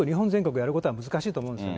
やることは難しいと思うんですよね。